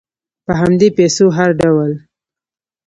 په همدې پیسو هر ډول